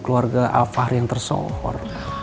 keluarga afah yang tersohor